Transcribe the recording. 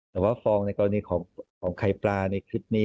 แต่ว่าฟองในกรณีของไข่ปลาในคลิปนี้